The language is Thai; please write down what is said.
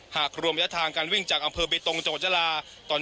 หากรวมระยะทางการวิ่งจากอำเภอเบตตรงจกฎญาลา